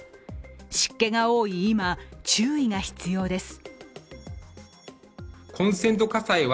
湿気が多い今、注意が必要です。